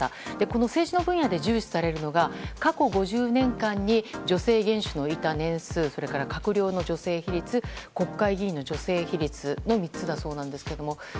この政治の分野で重視されるのが過去５０年間に女性元首のいた年数それから閣僚の女性比率国会議員の女性比率の３つだそうなんですけども。